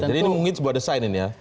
jadi ini mungkin sebuah desain ini ya